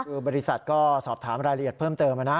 คือบริษัทก็สอบถามรายละเอียดเพิ่มเติมนะ